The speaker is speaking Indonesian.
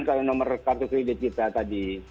kalau nomor kartu kredit kita tadi